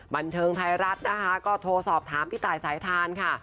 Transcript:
บันเทิงไทยรัฐนะคะก็โทรสอบถามพี่ตายสายทานค่ะ